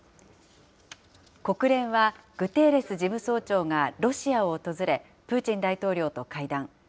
国連は、グテーレス事務総長がロシアを訪れ、プーチン大統領と会談。